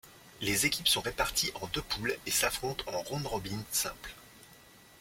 Les équipes sont réparties en deux poules et s'affrontent en round robin simple.